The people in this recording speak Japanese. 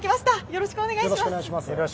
よろしくお願いします。